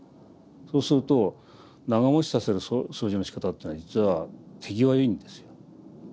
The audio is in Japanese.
そうすると長もちさせる掃除のしかたというのは実は手際いいんですよ。